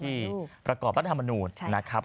ที่ประกอบการทำมนุษย์นะครับ